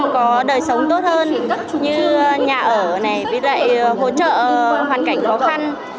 em thấy nó đời sống tốt hơn như nhà ở này với lại hỗ trợ hoàn cảnh khó khăn